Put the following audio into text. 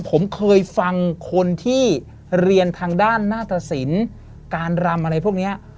ผมเคยฟังคนที่เรียนทางด้านหน้าตสินการรำอะไรพวกนี้